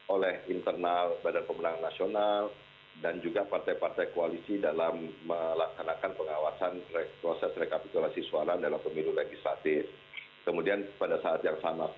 oleh internal badan pemenangan nasional dan juga partai partai koalisi dalam melaksanakan pengawasan proses rekapitulasi suara dalam pemilu legislatif